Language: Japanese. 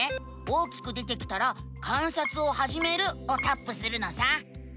大きく出てきたら「観察をはじめる」をタップするのさ！